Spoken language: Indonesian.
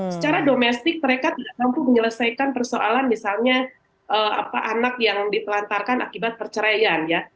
secara domestik mereka tidak mampu menyelesaikan persoalan misalnya anak yang ditelantarkan akibat perceraian ya